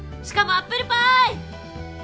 しかもアップルパイ！